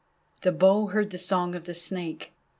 The Bow heard the song of the Snake.